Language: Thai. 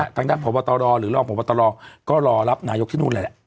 ต่างพวัตรอหรือร่อพวัตราก็รอรับนายกที่นู่นแหละ